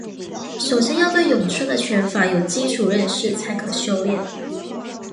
首先要对咏春的拳法有基础认识才可修练。